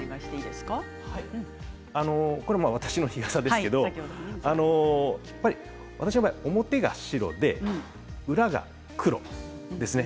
これは私の日傘ですけれど私の場合、表が白で裏が黒ですね。